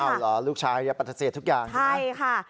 อ้าวเหรอลูกชายประเทศทุกอย่างใช่ไหมใช่ค่ะ